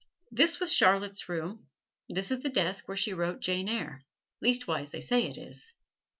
This was Charlotte's room; this is the desk where she wrote "Jane Eyre" leastwise they say it is.